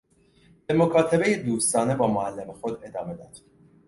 به مکاتبهی دوستانه با معلم خود ادامه داد.